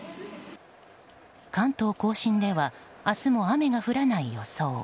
関東・甲信では明日も雨が降らない予想。